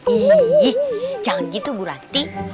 ih jangan gitu bu ranti